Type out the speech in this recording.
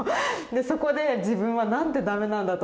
そこで自分はなんて駄目なんだと。